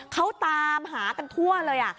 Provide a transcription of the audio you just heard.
เขาตามหากันทั่วเลย